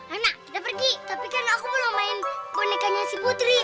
anak udah pergi tapi kan aku belum main bonekanya si putri